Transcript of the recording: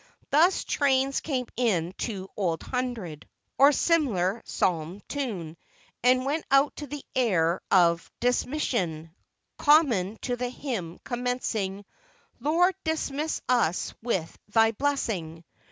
Thus trains came in to "Old Hundred," or some similar Psalm tune, and went out to the air of "Dismission" common to the hymn commencing, "Lord, dismiss us with thy blessing."